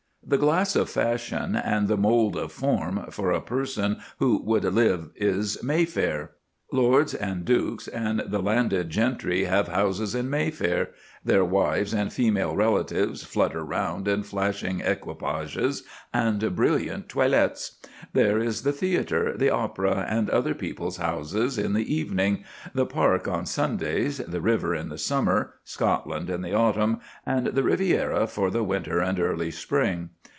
"The glass of fashion and the mould of form" for a person who would live is Mayfair. Lords and dukes and the landed gentry have houses in Mayfair; their wives and female relatives flutter round in flashing equipages and brilliant toilettes; there is the theatre, the opera, and other people's houses in the evening, the Park on Sundays, the river in the summer, Scotland in the autumn, and the Riviera for the winter and early spring.